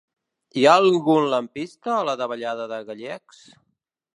Hi ha algun lampista a la davallada de Gallecs?